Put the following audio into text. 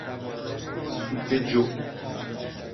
سوپ جو